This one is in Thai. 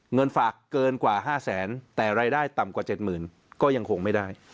เงินฝากเกินกว่า๕แสนแต่รายได้ต่ำกว่า๗๐๐ก็ยังคงไม่ได้